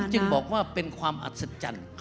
จึงบอกว่าเป็นความอัศจรรย์